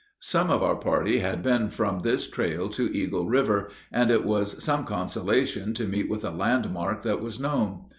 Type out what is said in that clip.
Some of our party had been from this trail to Eagle river, and it was some consolation to meet with a land mark that was known.